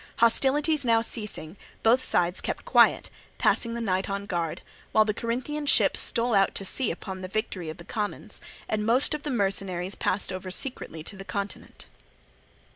Hostilities now ceasing, both sides kept quiet, passing the night on guard, while the Corinthian ship stole out to sea upon the victory of the commons, and most of the mercenaries passed over secretly to the continent.